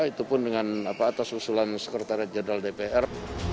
itu pun dengan atas usulan sekretariat jenderal dpr